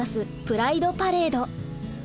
プライドパレード。